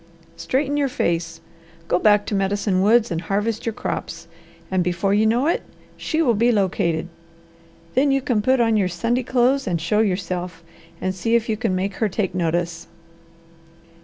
Straighten your face! Go back to Medicine Woods and harvest your crops, and before you know it she will be located. Then you can put on your Sunday clothes and show yourself, and see if you can make her take notice."